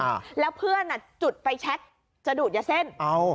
อ่าแล้วเพื่อนอ่ะจุดไฟแชคจะดูดยาเส้นเอ้า